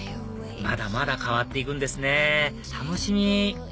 まだまだ変わって行くんですね楽しみ！